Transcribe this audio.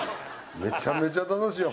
めちゃめちゃ楽しいわ。